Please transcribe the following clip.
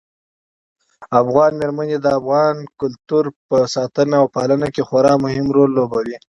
افغان مېرمنې د افغاني کلتور په ساتنه او پالنه کې خورا مهم رول لوبوي.